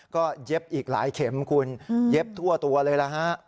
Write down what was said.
ก็เย็บอีกหลายเข็มคุณเย็บทั่วตัวเลยล่ะฮะ